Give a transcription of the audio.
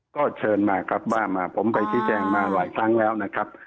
ก็เชิญมาครับว่ามาผมไปชี้แจงมาหลายครั้งแล้วนะครับ